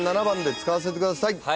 ７番で使わせてください。